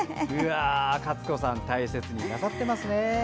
勝子さん、大切になさってますね。